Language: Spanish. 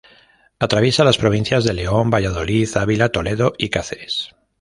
Atraviesa las provincias de León, Valladolid, Ávila, Toledo y Cáceres.